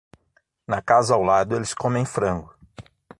Na casa ao lado, eles comem frango.